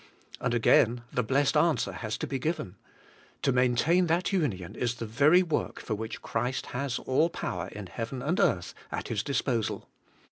And again the blessed answer has to be given : To maintain that union is the very work for which Christ has all power in heaven and earth at His disposal.